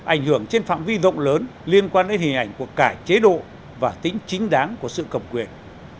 ảnh hưởng trên phạm vi rộng lớn liên quan đến hình ảnh của cả chế độ và tính chính đáng của sự cầm quyền